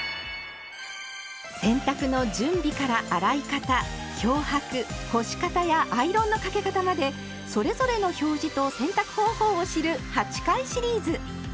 洗濯の準備から洗い方漂白干し方やアイロンのかけ方までそれぞれの表示と洗濯方法を知る８回シリーズ。